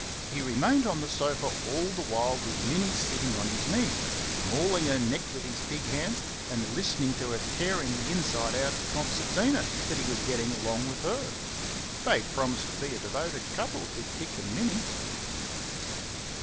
He remained on the sofa all the while with Minnie sitting on his knee, mauling her neck with his big hands and listening to her tearing the inside out of a concertina that he was getting along with her. They promised to be a devoted couple, did Dick and Minnie.